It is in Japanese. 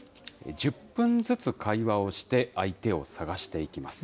１０分ずつ会話をして、相手を探していきます。